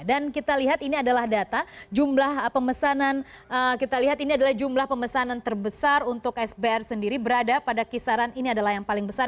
dan kita lihat ini adalah data jumlah pemesanan terbesar untuk sbr sendiri berada pada kisaran ini adalah yang paling besar